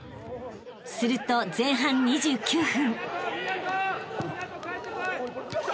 ［すると前半２９分］